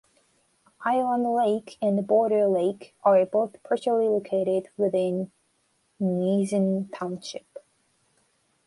Island Lake and Boulder Lake are both partially located within Gnesen Township.